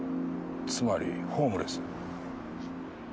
つまりホームレス。